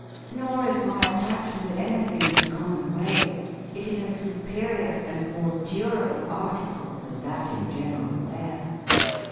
Nor is my attachment anything in the common way. It is a superior and more durable article than that in general wear.